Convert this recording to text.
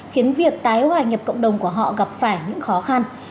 khiến việc tái hòa nhập cộng đồng của họ gặp phải những khó khăn